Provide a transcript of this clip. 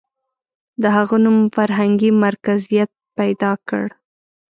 • د هغه نوم فرهنګي مرکزیت پیدا کړ.